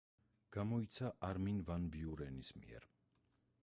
გამოიცა არმინ ვან ბიურენის მიერ.